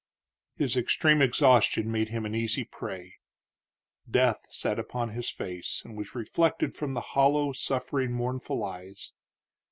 His extreme exhaustion made him an easy prey. Death sat upon his face, and was reflected from his hollow, suffering, mournful eyes.